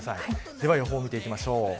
では予報を見ていきましょう。